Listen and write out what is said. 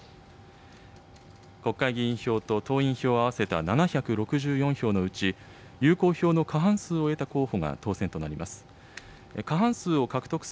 国会議員票と党員票を合わせた７６４票のうち、有効票の過半数を得た候補が当選となります。